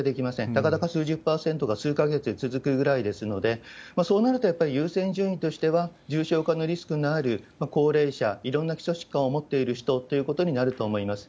たかだか数十パーセントが数か月続くぐらいですので、そうなると、やっぱり優先順位としては重症化のリスクのある高齢者、いろんな基礎疾患を持っている人ということになると思います。